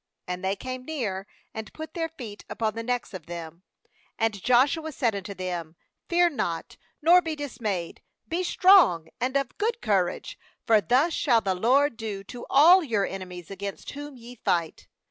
And they came near, and put their feet upon the necks of them. 25Aad Joshua said unto them: 'Fear not, nor be dismayed; be strong ana of good courage; for thus shall the LORD do to all your enemies against whom ye fight.'